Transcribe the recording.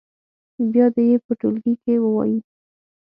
بیا دې یې په ټولګي کې ووایي.